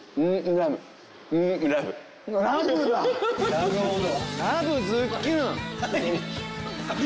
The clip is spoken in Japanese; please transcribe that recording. なるほど！